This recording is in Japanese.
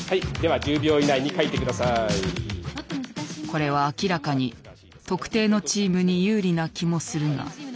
これは明らかに特定のチームに有利な気もするが。